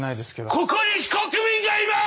ここに非国民がいます！